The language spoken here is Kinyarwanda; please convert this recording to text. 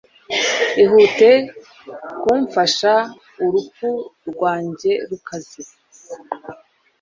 ihute kumfasha urupfu rwanjye rukaze